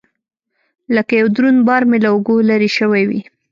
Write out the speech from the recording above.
لكه يو دروند بار مې له اوږو لرې سوى وي.